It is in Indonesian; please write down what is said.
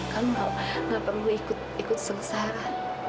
kamu gak perlu ikut ikut sengsara